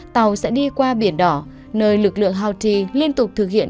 tàu sẽ đi qua biển đỏ nơi lực lượng houthi liên tục thực hiện